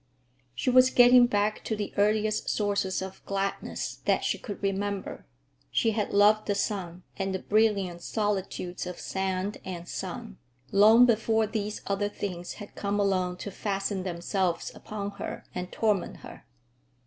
She was getting back to the earliest sources of gladness that she could remember. She had loved the sun, and the brilliant solitudes of sand and sun, long before these other things had come along to fasten themselves upon her and torment her.